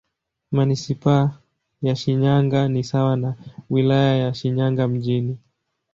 Manisipaa ya Shinyanga ni sawa na Wilaya ya Shinyanga Mjini.